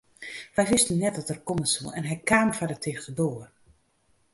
Wy wisten net dat er komme soe en hy kaam foar de tichte doar.